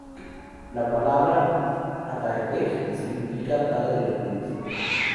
La palabra "atabeg" significa "padre del príncipe".